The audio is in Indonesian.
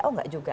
oh enggak juga